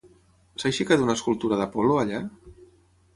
S'ha aixecat una escultura d'Apol·lo allà?